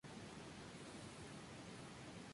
Tras su dimisión se retiró de la actividad política.